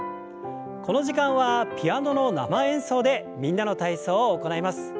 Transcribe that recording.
この時間はピアノの生演奏で「みんなの体操」を行います。